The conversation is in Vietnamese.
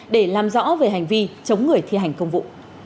để làm rõ về hành vi chống người thi hành công vụ